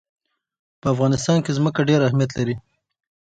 په افغانستان کې ځمکه ډېر اهمیت لري.